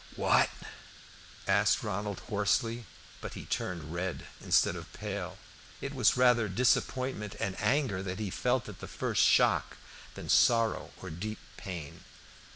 "What?" asked Ronald hoarsely. But he turned red instead of pale. It was rather disappointment and anger that he felt at the first shock than sorrow or deep pain.